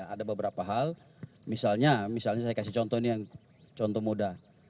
ada beberapa hal misalnya saya kasih contoh ini yang contoh muda